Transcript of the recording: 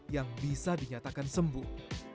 yang bisa dinyatakan sembuh